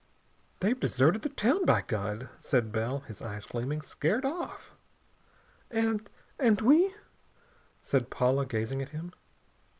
"They've deserted the town, by God!" said Bell, his eyes gleaming. "Scared off!" "And and we " said Paula, gazing at him.